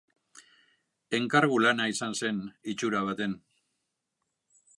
Enkargu-lana izan zen itxura baten.